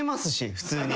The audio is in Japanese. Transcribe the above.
普通に。